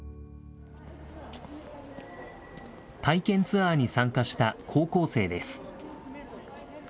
体験ツアーに参加した高校生です。